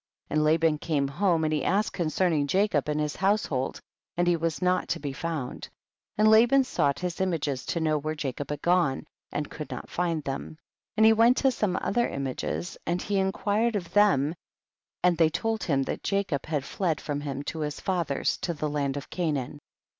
45. And Laban came home and he asked concerning Jacob and liis household, and he was not to be found, and Laban sought his images to know wiiere Jacob liad gone, and could not find tJiem, and he went to some other images, and he inquired of them and they told him that Jacob had fled from Inm to his father's to the land of Canaan.